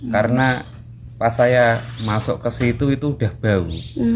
karena pas saya masuk ke situ itu udah bau